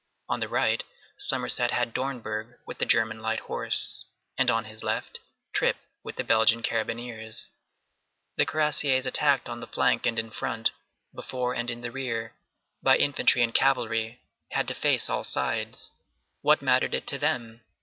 On the right, Somerset had Dornberg with the German light horse, and on his left, Trip with the Belgian carabineers; the cuirassiers attacked on the flank and in front, before and in the rear, by infantry and cavalry, had to face all sides. What mattered it to them?